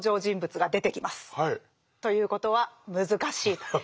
ということは難しいと。